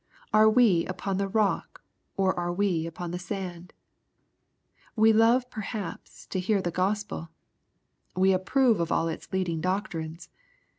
— Are we upon the rock, or are we upon the sand ?— We love perhaps to hear the Gospel. We ap prove of all its leading doctrines.